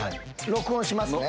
録音しますね。